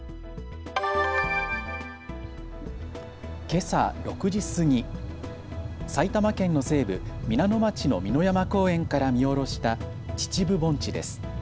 けさ、６時過ぎ、埼玉県の西部皆野町の美の山公園から見下ろした秩父盆地です。